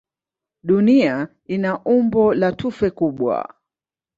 Dunia ina umbo la tufe kubwa.